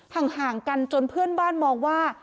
ห่างกันจนเพื่อนบ้านมองว่า